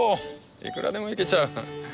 いくらでもいけちゃう。